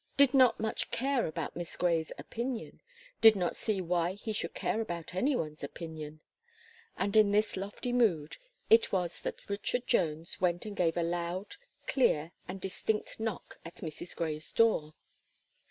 "Did not much care about Miss Gray's opinion did not see why he should care about any one's opinion," and in this lofty mood it was that Richard Jones went and gave a loud, clear, and distinct knock at Mrs. Gray's door.